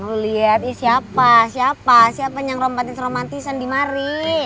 lu liat siapa siapa siapa yang romantis romantis dimari